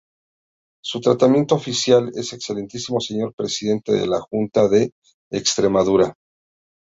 Su tratamiento oficial es Excelentísimo Señor Presidente de la Junta de Extremadura.